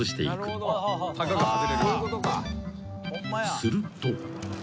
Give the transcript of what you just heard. ［すると］